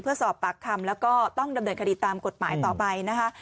เพื่อสอบปากคำแล้วก็ต้องดำเนินคดีตามกฎหมายต่อไปนะคะ